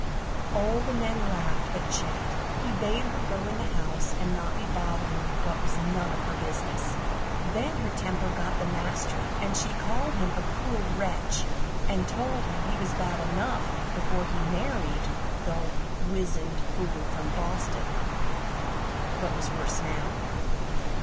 All the men laughed but Chet; he bade her go in the house and not be bothering with what was none of her business. Then her temper got the mastery, and she called him "a cruel wretch," and told him he was bad enough before he married the "wizened fool from Boston," but was worse now.